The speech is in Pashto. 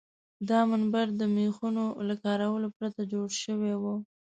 دا منبر د میخونو له کارولو پرته جوړ شوی و.